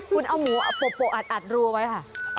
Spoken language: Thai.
คุณเอาหมูโปโปอัดรูไว้ค่ะ